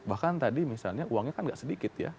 bahkan tadi misalnya uangnya kan tidak sedikit ya